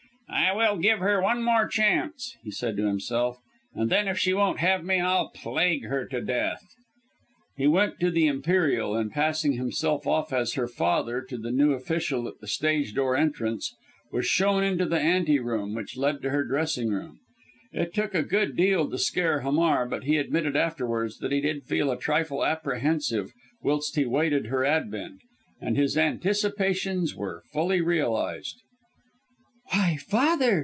"I will give her one more chance," he said to himself, "and then if she won't have me I'll plague her to death." He went to the Imperial, and passing himself off as her father to the new official at the stage door entrance, was shown into the ante room (which led to her dressing room). It took a good deal to scare Hamar, but he admitted afterwards that he did feel a trifle apprehensive whilst he awaited her advent; and his anticipations were fully realized. "Why, father!"